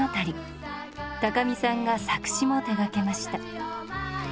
高見さんが作詞も手がけました。